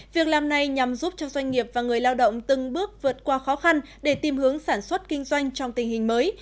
việc làm này nhằm giúp cho doanh nghiệp và người lao động từng bước vượt qua khó khăn để tìm hướng sản xuất kinh doanh trong tình hình mới